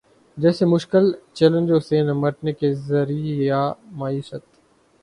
جیسے مشکل چیلنجوں سے نمٹنے کے ذریعہ معیشت